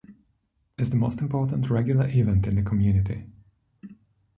It is the most important regular event in the community.